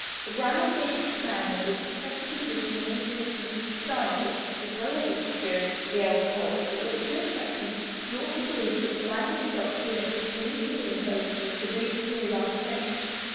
The Rime of the Ancyent Marinere was professedly written in imitation of the style, as well as of the spirit of the elder poets; but with a few exceptions, the Author believes that the language adopted in it has been equally intelligible for these three last centuries.